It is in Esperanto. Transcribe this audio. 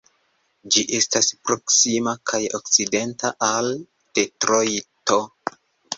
Ĝi estas proksima kaj okcidenta al Detrojto.